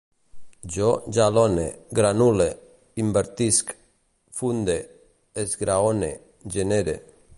Jo jalone, granule, invertisc, funde, esgraone, genere